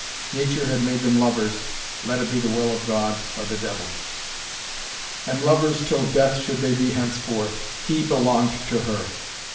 Nature had made them lovers, let it be the will of God or the devil. And lovers till death should they be henceforth. He belonged to her.